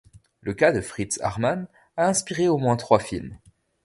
Le cas de Fritz Haarmann a inspiré au moins trois films.